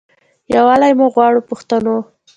یووالی مو غواړم پښتنو.